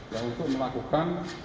yang untuk melakukan